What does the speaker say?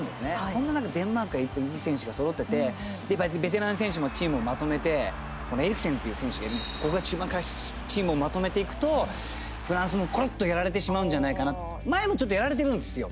そんな中デンマークがいい選手がそろっててベテラン選手もチームをまとめてエリクセンていう選手がいるんですけど、ここが中盤からチームをまとめていくとフランスも、ころっとやられてしまうんじゃないかな前も、ちょっとやられているんですよ。